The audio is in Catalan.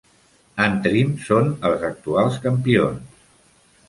Antrim són els actuals campions.